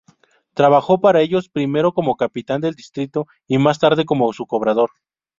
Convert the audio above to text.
Trabajó para ellos primero como capitán del distrito y más tarde como su cobrador.